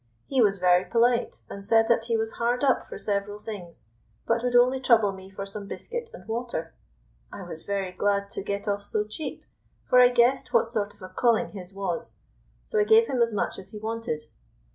He was very polite, and said that he was hard up for several things, but would only trouble me for some biscuit and water. I was very glad to get off so cheap, for I guessed what sort of a calling his was, so I gave him as much as he wanted.